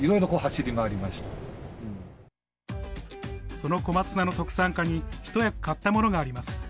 その小松菜の特産化に一役買ったものがあります。